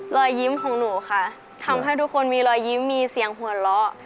รอยยิ้มของหนูค่ะทำให้ทุกคนมีรอยยิ้มมีเสียงหัวเราะ